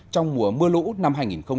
trong mùa mưa lũ năm hai nghìn một mươi chín